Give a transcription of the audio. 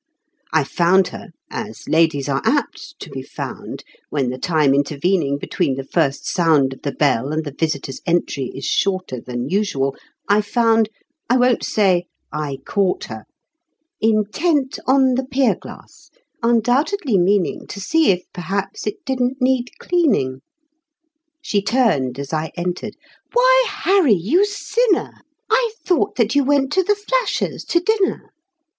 I found her as ladies are apt to be found, When the time intervening between the first sound Of the bell and the visitor's entry is shorter Than usual I found; I won't say I caught her, Intent on the pier glass, undoubtedly meaning To see if perhaps it didn't need cleaning. She turned as I entered "Why, Harry, you sinner, I thought that you went to the Flashers' to dinner!"